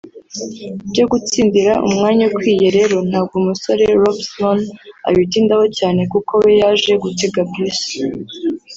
Ibyo gutsindira umwanya ukwiye rero ntabwo umusore Rob Sloan abitindaho cyane kuko we yaje gutega bus